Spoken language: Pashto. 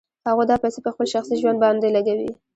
هغوی دا پیسې په خپل شخصي ژوند باندې لګوي